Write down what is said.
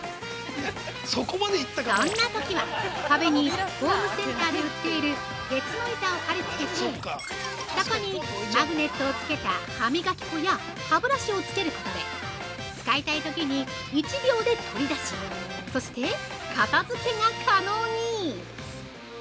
そんなときは壁に、ホームセンターで売っている鉄の板を貼り付けてそこにマグネットを付けた歯磨き粉や歯ブラシを付けることで使いたいときに１秒で取り出し、そして、片づけが可能に！